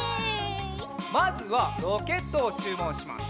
まずはロケットをちゅうもんします。